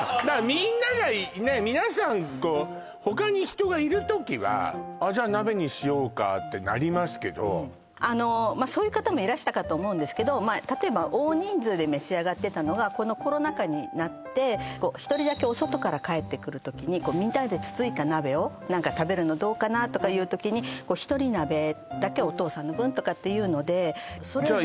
みんなが皆さんこう他に人がいる時は「あっじゃあ鍋にしようか」ってなりますけどあのそういう方もいらしたかと思うんですけど例えば大人数で召し上がってたのがこのコロナ禍になって１人だけお外から帰ってくる時にみんなでつついた鍋を食べるのどうかなとかいう時にひとり鍋だけお父さんの分とかっていうのでじゃあ